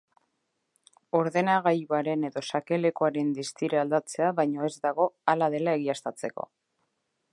Ordenagailuaren edo sakelakoaren distira aldatzea baino ez dago hala dela egiaztatzeko.